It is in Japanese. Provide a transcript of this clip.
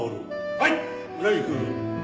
はい。